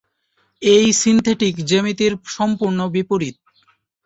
এই সিন্থেটিক জ্যামিতির সম্পূর্ণ বিপরীত।